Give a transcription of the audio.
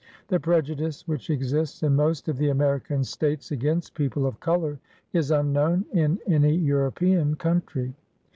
The prejudice which exists in most of the American States against people of color is unknown in any European country.